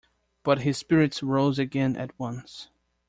But his spirits rose again at once.